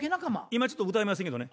今ちょっと歌えませんけどね。